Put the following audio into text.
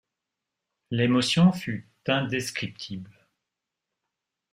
L’émotion fut indescriptible.